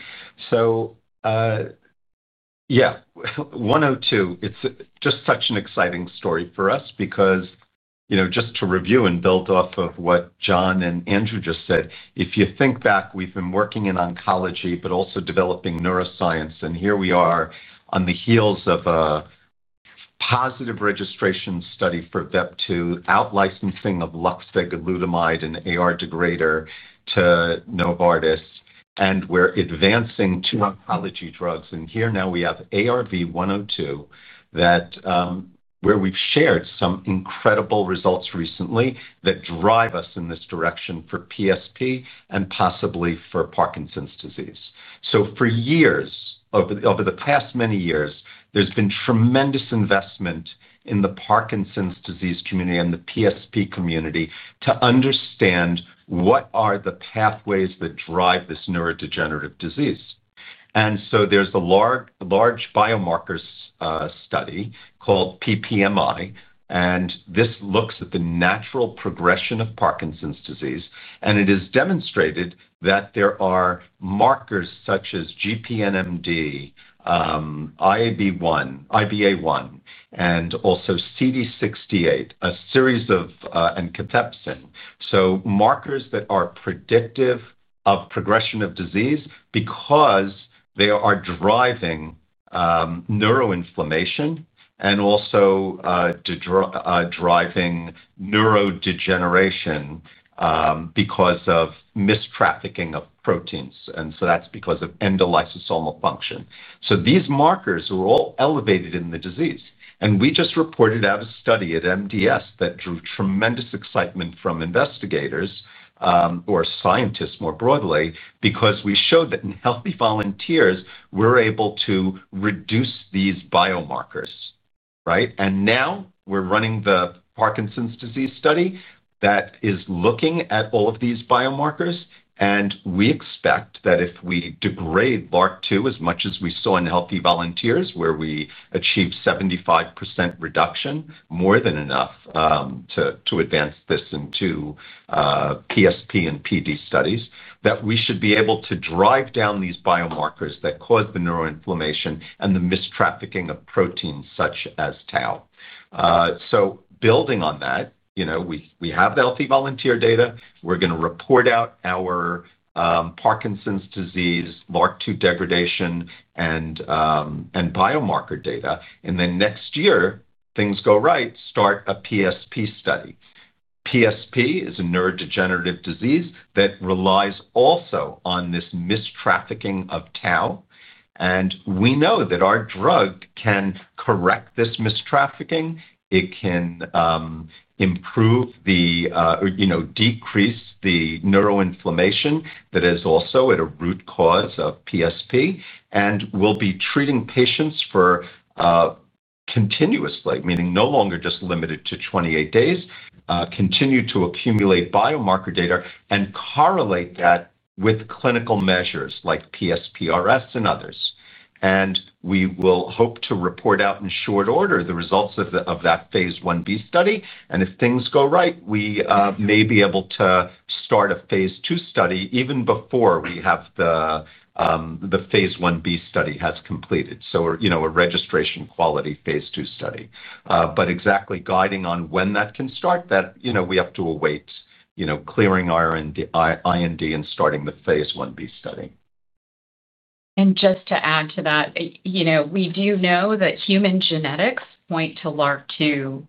So yeah, 102. It's just such an exciting story for us because just to review and build off of what John and Andrew just said, if you think back, we've been working in oncology but also developing neuroscience and here we are on the heels of a positive Registration Study for VEP2, outlicensing of Luxvig glutamide and Ar degrader to Novartis. And we're advancing two oncology drugs. And here now we have ARV102, where we've shared some incredible results recently that drive us in this direction for PSP and possibly for Parkinson's disease. So for years, over the past many years, there's been tremendous investment in the Parkinson's disease community and the PSP community to understand what are the pathways that drive this neurodegenerative disease. And so there's a large biomarkers study called ppmi, and this looks at the natural progression of Parkinson's disease. And it is demonstrated that there are markers such as GPNMD, IBA1 and also CD68, a series of encabcin. So markers that are predictive of progression of disease because they are driving neuroinflammation and also driving neurodegeneration because of mistrafficking of proteins. And so that's because of endolysisomal function. So these markers are all elevated in the disease. And we just reported out a study at MDS that drew tremendous excitement from investigators or scientists more broadly, because we showed that in healthy volunteers, we're able to reduce these biomarkers. And now we're running the Parkinson's disease study that is looking at all of these biomarkers. And we expect that if we degrade bark 2 as much as we saw in healthy volunteers, where we achieved 75% reduction, more than enough to advance this into PSP and PD studies, that we should be able to drive down these biomarkers that you cause the neuroinflammation and the mistrafficking of proteins such as tau. So building on that, we have the healthy volunteer data, we're gonna report out Our Parkinson's disease Mark 2 degradation and biomarker data, and then next year, things go right. Start a PSP study. PSP is a neurodegenerative disease that relies also on this mistrafficking of Taurus. And we know that our drug can correct this. Mistrating it can improve the, you know, decrease the neuroinflammation that is also at a root cause of psp. And we'll be treating patients for continuously, meaning no longer just limited to 28 days. Continue to accumulate biomarker data and correlate that with clinical measures like psprs and others. And we will hope to report out in short order the results of that phase I-B study. And if things go right, we may be able to start a phase II study even before we have the phase I-B study has completed. So, you know, a Registration Quality phase II study, but exactly guiding on when that can start that, you know, we have to await, you know, clearing IND and starting the phase I-B study. And just to add to that, you know, we do know that human genetics point to LRRK2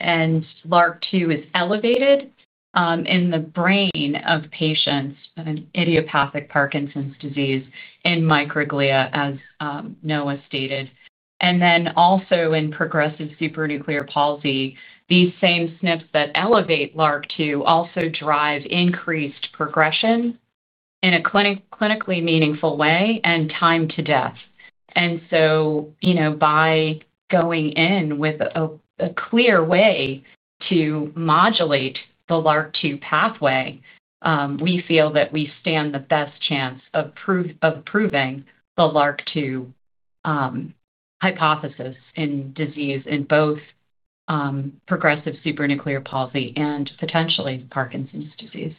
and LRRK2 is elevated in the brain of patients with an idiopathic Parkinson's disease in microglia, as Noah stated, and then also in progressive supranuclear palsy. These same SNPs that elevate LRRK2 drive increased progression in a clinically meaningful way and time to death. And so by going in with a clear way to modulate the LRRK2 pathway, we feel that we stand the best chance of proving the LRRK2 hypothesis in disease in both progressive supranuclear palsy and potentially Parkinson's disease.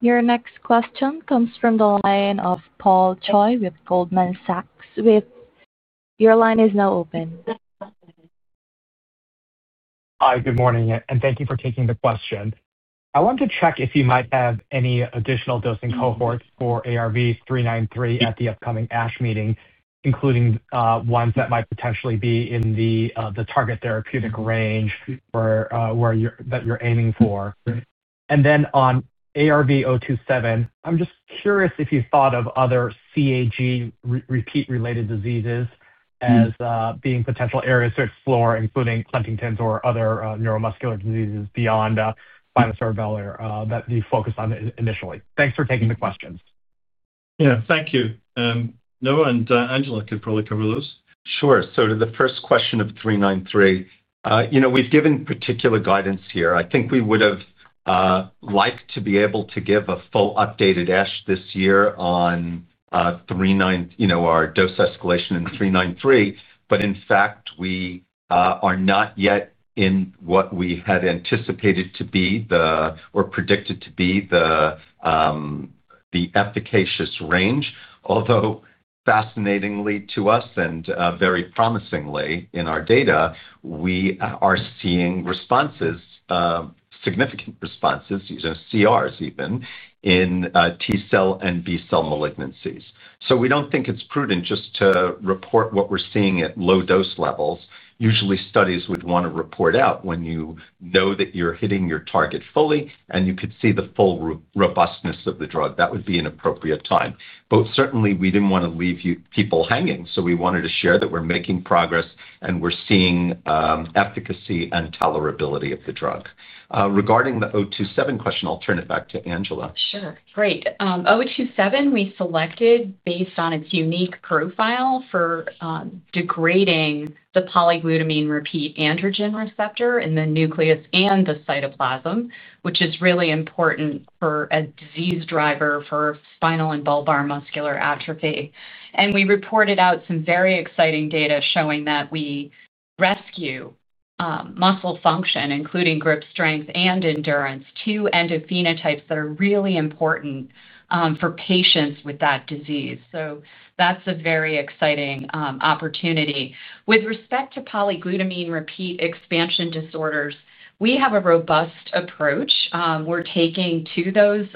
Your next question comes from the line of Paul Choi with Goldman Sachs. Your line is now open. Hi, good morning and thank you for taking the question. I want to check if you might have any additional dosing cohorts for ARV-393. At the upcoming ASH meeting, including ones. That might potentially be in the target therapeutic range that you're aiming for. And then on ARV-027, I'm just curious. If you thought of other CAG repeat. Related diseases as being potential areas to. Explore, including Huntington's or other neuromuscular diseases. Beyond spinosauruvil or that they focus on initially. Thanks for taking the questions. Yeah, thank you. Noah and Angela could probably cover those. Sure. So to the first question of 393, you know, we've given particular guidance here. I think we would have liked to be able to give a full updated esh this year on 3, 9. You know, our dose escalation in 393. But in fact we are not yet in what we had anticipated to be the, or predicted to be the, the efficacious range. Although fascinatingly to us, and very promisingly in our data, we are seeing responses, significant responses, CRs, even in T cell and B cell malignancies. So we don't think it's prudent just to report what we're seeing at low dose levels. Usually studies would want to report out when you know that you're hitting your target fully and you could see the full robustness of the drug. That would be an appropriate time. But certainly we didn't want to leave people hanging. So we wanted to share that we're making progress and we're seeing efficacy and tolerability of the drug. Regarding the O2.7 question, I'll turn it back to Angela. Sure. Great. O2.7 we selected based on its unique profile for degrading the polyglutamine repeat androgen receptor in the nucleus and the cytoplasm, which is really important for a disease driver for spinal and bulbar muscular atrophy. And we reported out some very exciting data showing that we rescue muscle function, including grip strength and endurance, two endophenotypes that are really important for patients with that disease. So. So that's a very exciting opportunity. With respect to polyglutamine repeat expansion disorders, we have a robust approach we're taking to those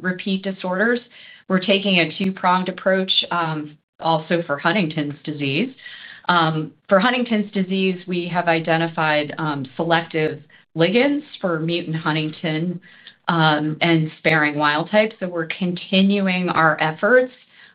repeat disorders. We're taking a two pronged approach also for Huntington's disease. For Huntington's disease, we have identified selective ligands for mutant Huntington and sparing wild types. So we're continuing our efforts.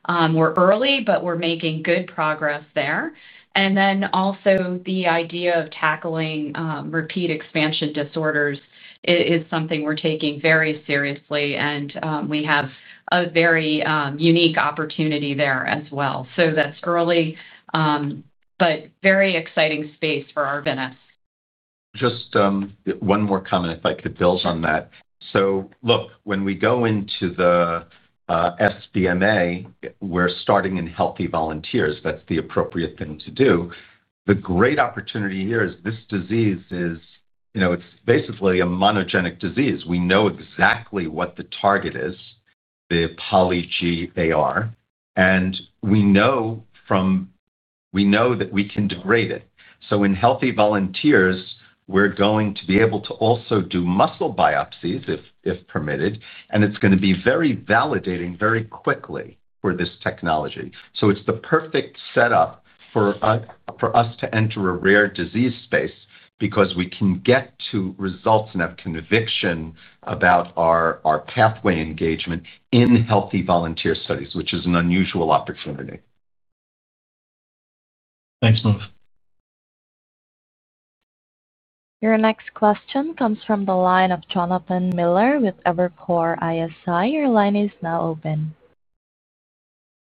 We're early, but we're making good progress there. And then also the idea of tackling repeat expansion disorders is something we're taking very seriously and we have a very unique opportunity there as well. So that's early but very exciting space for our Venice. Just one more comment, if I could build on that. So look, when we go into the sbma, we're starting in healthy volunteers. That's the appropriate thing to do. The great opportunity here is this disease is, you know, it's basically a monogenic disease. We know exactly what the target is, the polygar, and we know from, we know that we can degrade it. So in healthy volunteers, we're going to be able to also do muscle biopsies if, if permitted. And it's going to be very validating very quickly for this technology. So it's the perfect setup for us to enter a rare disease space because we can get to results and have conviction about our pathway engagement in healthy volunteer studies, which is an unusual opportunity. Thanks. Noah. Your next question comes from the line of Jonathan Miller with Evercore ISI. Your line is now open.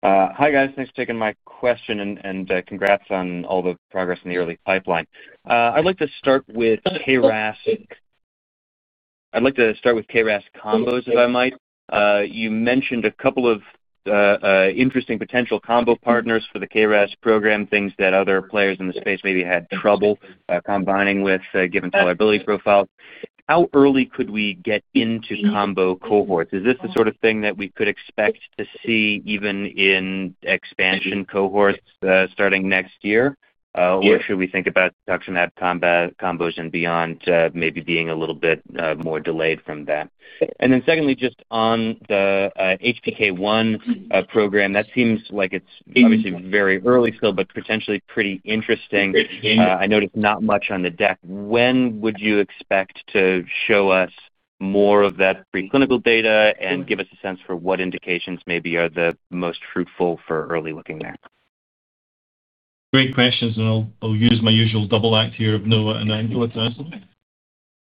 Hi, guys. Thanks for taking my question and congrats on all the progress in the early pipeline. I'd like to start with KRAS. I'd like to start with KRAS combos, if I might. You mentioned a couple of interesting potential combo partners for the KRAS program. Things that other players in the space maybe had trouble combining with. Given tolerability profile, how early could we get into combo cohorts? Is this the sort of thing that we could expect to see even in expansion cohorts starting next year, or should we think about tox and combo combos and beyond maybe being a little bit more delayed from that? And then secondly, just on the HPK1 program, that seems like it's obviously very early still, but potentially pretty interesting. I noticed not much on the deck. When would you expect to show us more of that preclinical data and give us a sense for what indications maybe are the most fruitful for early looking there? Great questions and I'll use my usual double act here of Noah and Angela to answer.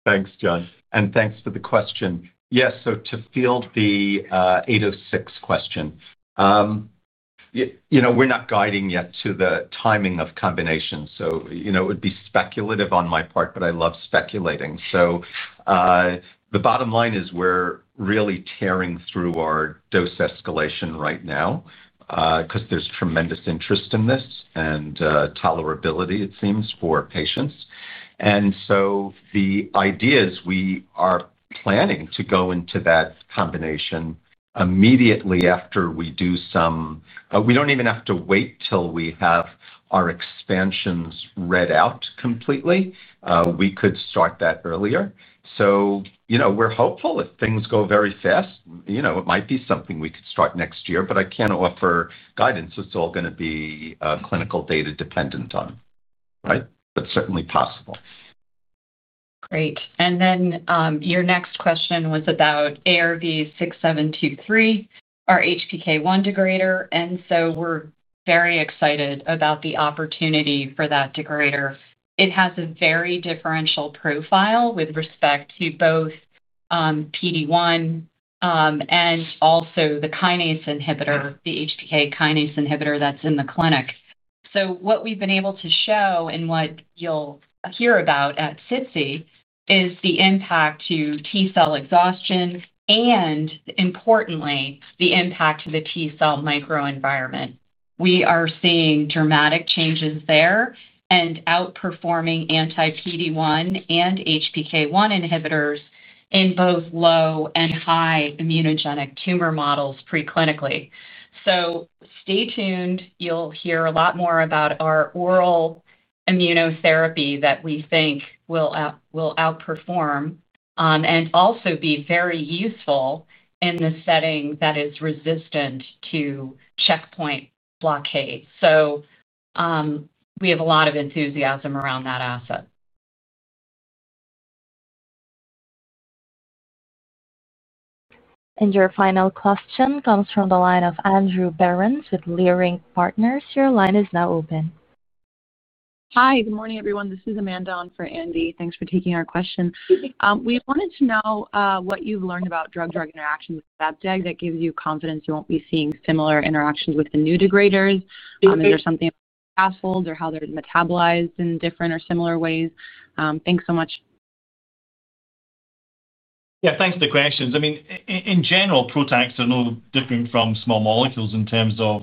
Thanks, John, and thanks for the question. Yes. To field the 806 question. You. Know, we're not guiding yet to the timing of combinations, so, you know, it would be speculative on my part, but I love speculating. The bottom line is we're really tearing through our dose escalation right now because there's tremendous interest in this and tolerability, it seems, for patients. The idea is we are planning to go into that combination immediately after we do some. We don't even have to wait till we have our expansions read out completely. We could start that earlier. You know, we're hopeful if things go very fast, you know, it might be something we could start next year. I can't offer guidance. It's all going to be clinical data dependent on. Right. But certainly possible. Great. Your next question was about ARV-6723, our HPK1 degrader. We are very excited about the opportunity for that degrader, for it has a very differential profile with respect to both PD1 and also the kinase inhibitor, the HTK kinase inhibitor that is in the clinic. What we have been able to show and what you will hear about at CITC is the impact to T cell exhaustion and, importantly, the impact to the T cell microenvironment. We are seeing dramatic changes there and outperforming anti PD1 and HPK1 inhibitors in both low and high immunogenic tumor models preclinically. Stay tuned, you will hear a lot more about our oral immunotherapy that we think will outperform and also be very useful in the setting that is resistant to checkpoint blockades. We have a lot of enthusiasm around that asset. Your final question comes from the line of Andrew Berens with Leerink Partners. Your line is now open. Hi. Good morning, everyone. This is Amanda on for Andy. Thanks for taking our question. We wanted to know what you've learned. About drug-drug interactions that gives you confidence you won't be seeing similar interactions. With the new degraders. Is there something passholds or how they're metabolized in different or similar ways? Thanks so much. Yeah, thanks for the questions. I mean, in general, PROTACs are no different from small molecules in terms of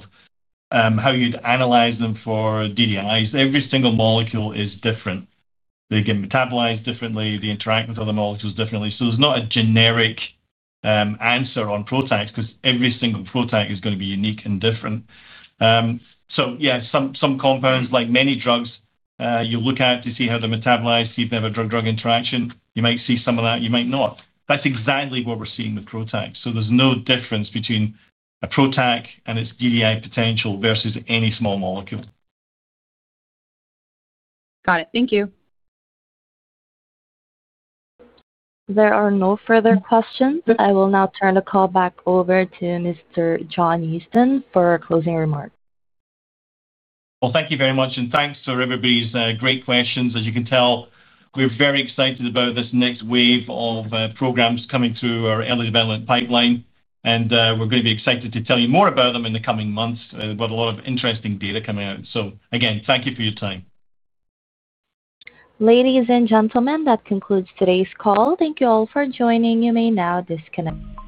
how you'd analyze them for DDIs. Every single molecule is different. They can metabolize differently. They interact with other molecules differently. So there's not a generic answer on PROTACs because every single PROTAC is going to be unique and different. So, yeah, some compounds, like many drugs, you look at to see how they're metabolized, see if they have a drug-drug interaction, you might see some of that, you might not. That's exactly what we're seeing with PROTAC. So there's no difference between a PROTAC and its DDI potential versus any small molecule. Got it. Thank you. There are no further questions. I will now turn the call back over to Mr. John Easton for closing remarks. Thank you very much and thanks for everybody's great questions. As you can tell, we're very excited about this next wave of programs coming through our early development pipeline and we're going to be excited to tell you more about them in the coming months. A lot of interesting data coming out. Again, thank you for your time. Ladies and gentlemen. That concludes today's call. Thank you all for joining. You may now disconnect.